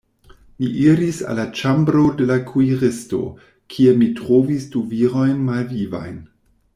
Mi iris al la ĉambro de la kuiristo, kie mi trovis du virojn malvivajn.